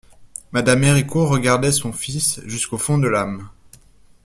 Mme Héricourt regardait son fils jusqu'au fond de l'âme.